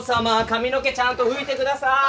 髪の毛ちゃんと拭いてください！